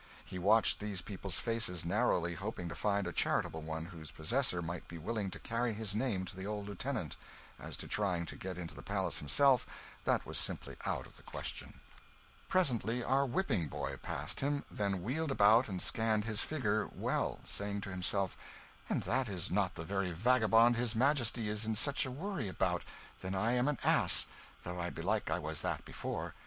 He watched these people's faces narrowly, hoping to find a charitable one whose possessor might be willing to carry his name to the old lieutenant as to trying to get into the palace himself, that was simply out of the question. Presently our whipping boy passed him, then wheeled about and scanned his figure well, saying to himself, "An' that is not the very vagabond his Majesty is in such a worry about, then am I an ass though belike I was that before.